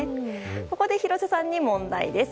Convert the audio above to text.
ここで廣瀬さんに問題です。